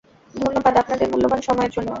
ধন্যবাদ আপনাদের মূল্যবান সময়ের জন্য।